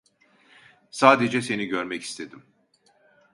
Sadece seni görmek istedim.